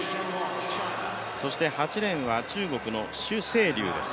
そして８レーンは中国の朱勝龍です